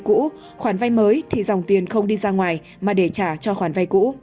trả vào là có khoản vay cũ khoản vay mới thì dòng tiền không đi ra ngoài mà để trả cho khoản vay cũ